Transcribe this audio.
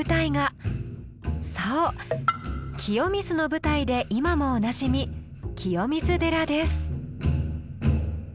そう「清水の舞台」で今もおなじみ清水寺です！